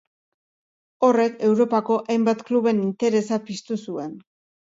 Horrek Europako hainbat kluben interesa piztu zuen.